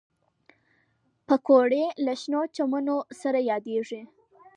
پکورې له شنو چمنو سره یادېږي